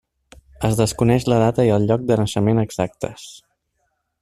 Es desconeix la data i el lloc de naixement exactes.